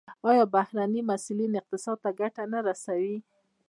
آیا بهرني محصلین اقتصاد ته ګټه نه رسوي؟